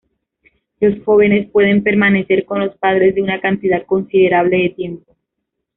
Los jóvenes pueden permanecer con los padres de una cantidad considerable de tiempo.